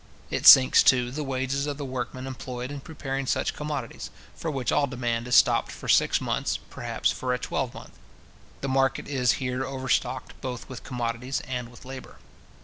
It sinks, too, the wages of the workmen employed in preparing such commodities, for which all demand is stopped for six months, perhaps for a twelvemonth. The market is here overstocked both with commodities and with labour.